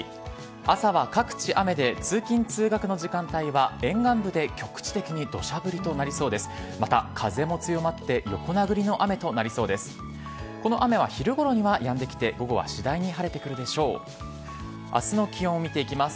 朝は各地で雨で通勤、通学の時間帯は沿岸部で局地的に土砂降りとなりそうです。